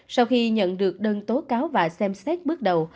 sau khi nhận được đơn tố cáo và xem xét bước đầu